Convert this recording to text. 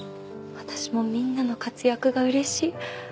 私もみんなの活躍が嬉しい。